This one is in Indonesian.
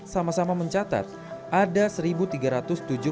sama sama mencari komodo yang berada di pulau ini